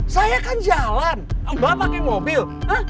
saya kan jalan mbak pake mobil